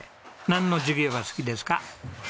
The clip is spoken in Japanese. なんの授業が好きですか？